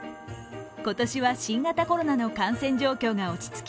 今年は新型コロナの感染状況が落ち着き